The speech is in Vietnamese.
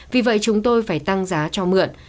vì vậy chúng tôi phải tăng giá cho mượn